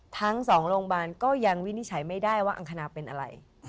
ทั้ง๒โรงพยาบาลก็ยังวินิจฉัยไม่ได้ว่าอังคณาเป็นอะไร